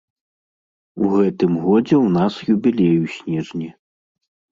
У гэтым годзе ў нас юбілей у снежні.